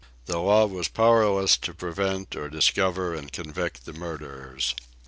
The law was powerless to prevent or discover and convict the murderers.